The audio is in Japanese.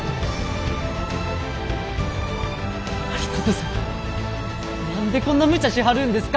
有功様何でこんなむちゃしはるんですか！